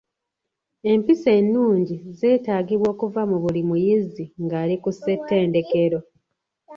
Empisa ennungi zeetaagibwa okuva mu buli muyizi nga ali ku ssettendekero.